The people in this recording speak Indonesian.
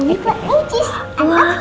ini buat ancus